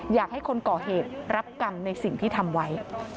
อยากให้คนก่อเหตุรับกรรมในสิ่งที่ทำไว้